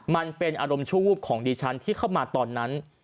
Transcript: มันเป็นอารมณ์ชั่ววูบของดิฉันที่เข้ามาตอนนั้น